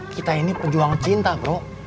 kita ini pejuang cinta kok